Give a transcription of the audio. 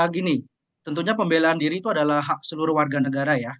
gini tentunya pembelaan diri itu adalah hak seluruh warga negara ya